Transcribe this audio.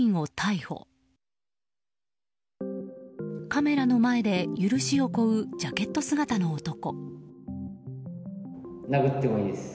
カメラの前で許しを請うジャケット姿の男。